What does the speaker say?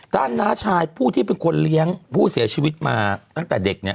น้าชายผู้ที่เป็นคนเลี้ยงผู้เสียชีวิตมาตั้งแต่เด็กเนี่ย